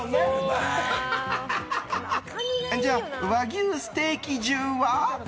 じゃあ、和牛ステーキ重は？